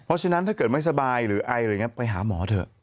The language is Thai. เพราะฉะนั้นถ้าเกิดไม่สบายหรือไออะไรอย่างนี้ไปหาหมอเถอะ